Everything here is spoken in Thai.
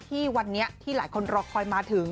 ที่วันนี้ที่หลายคนรอคอยมาถึง